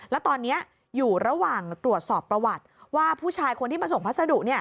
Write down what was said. แล้วตอนนี้อยู่ระหว่างตรวจสอบประวัติว่าผู้ชายคนที่มาส่งพัสดุ